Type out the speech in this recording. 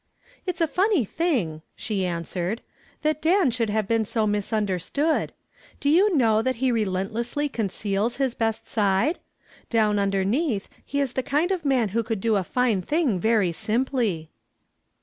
"It's a funny thing," she answered, "that Dan should have been so misunderstood. Do you know that he relentlessly conceals his best side? Down underneath he is the kind of man who could do a fine thing very simply."